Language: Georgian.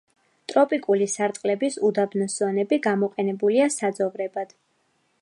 ტროპიკული სარტყლების უდაბნოს ზონები გამოყენებულია საძოვრებად.